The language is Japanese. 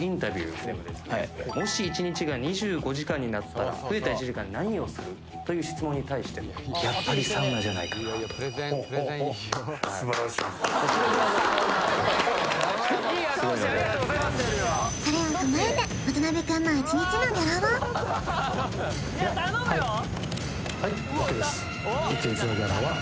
「もし１日が２５時間になったら」「増えた１時間で何をする？」という質問に対してもホホホそれぐらいのそれを踏まえて渡辺くんの１日のギャラは？